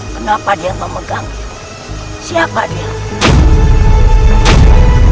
kenapa dia memegang itu